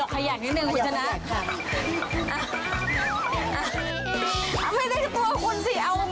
ก็จะทำแบบนี้นะครับเลยนะครับพี่แฟ้งจานม